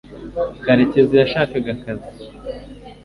karekezi yashakaga akazi